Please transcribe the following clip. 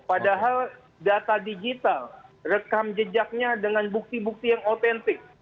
padahal data digital rekam jejaknya dengan bukti bukti yang otentik